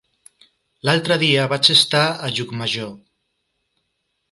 L'altre dia vaig estar a Llucmajor.